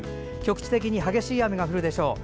局地的に激しい雨が降るでしょう。